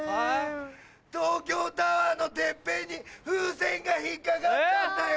東京タワーのてっぺんに風船が引っ掛かっちゃったよ。